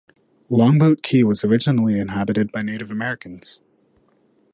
Longboat Key was originally inhabited by Native Americans.